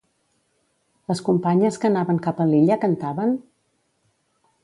Les companyes que anaven cap a l'illa cantaven?